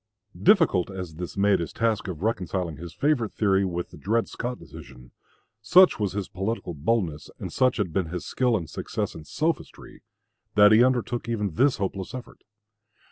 Difficult as this made his task of reconciling his favorite theory with the Dred Scott decision, such was his political boldness, and such had been his skill and success in sophistry, that he undertook even this hopeless effort.